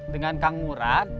dengan kang murad